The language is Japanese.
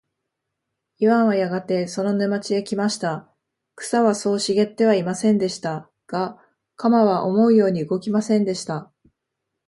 イワンはやがてその沼地へ来ました。草はそう茂ってはいませんでした。が、鎌は思うように動きませんでした。